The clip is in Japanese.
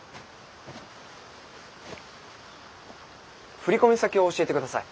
振込先を教えてください。